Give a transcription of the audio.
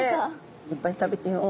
いっぱい食べてよ。